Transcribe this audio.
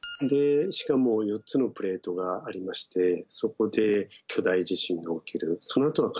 しかも４つのプレートがありましてそこで巨大地震が起きるので。